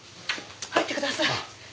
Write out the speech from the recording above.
入ってください。